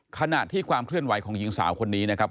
ขณะที่ความเคลื่อนไหวของหญิงสาวคนนี้นะครับ